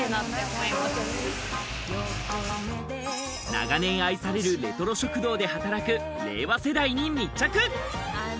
長年愛されるレトロ食堂で働く令和世代に密着。